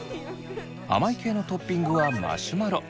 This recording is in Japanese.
甘い系のトッピングはマシュマロ。